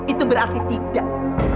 itu berarti tidak